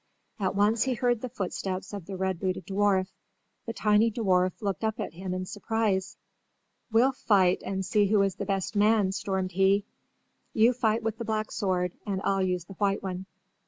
At once he heard the footsteps of the red booted dwarf. The tiny dwarf looked up at him in surprise. "We'll fight and see who is the best man," stormed he. "You fight with the black sword and I'll use the white one."